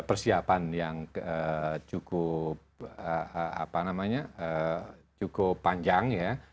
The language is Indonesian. jadi persiapan yang cukup apa namanya cukup panjang ya